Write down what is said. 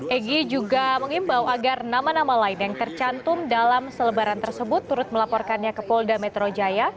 egy juga mengimbau agar nama nama lain yang tercantum dalam selebaran tersebut turut melaporkannya ke polda metro jaya